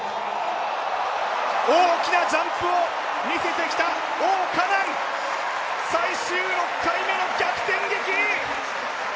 大きなジャンプを見せてきた王嘉男最終６回目の逆転劇。